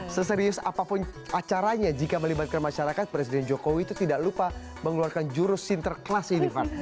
seserius apapun acaranya jika melibatkan masyarakat presiden jokowi itu tidak lupa mengeluarkan jurus sinterklas ini van